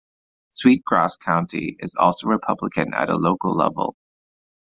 Sweet Grass County is also Republican at a local level.